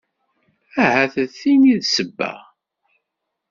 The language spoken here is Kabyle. Ahat d tin i d ssebba.